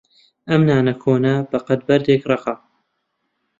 ئەم نانە کۆنە بەقەد بەردێک ڕەقە.